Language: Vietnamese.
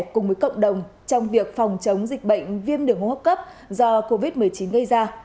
cùng với cộng đồng trong việc phòng chống dịch bệnh viêm đường hô hấp cấp do covid một mươi chín gây ra